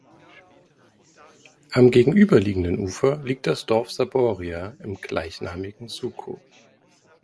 Am gegenüberliegenden Ufer liegt das Dorf Saboria im gleichnamigen Suco.